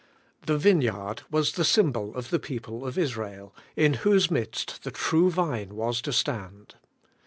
THE vineyard was the symbol of the people oi Israel, in whose midst the True Vine was to stand.